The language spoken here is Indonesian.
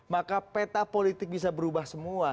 maka peta politik bisa berubah semua